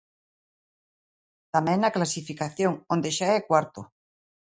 Tamén na clasificación onde xa é cuarto.